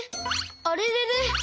あれれれ？